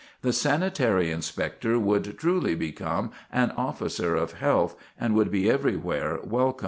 The sanitary inspector would truly become an officer of health and would be everywhere welcome.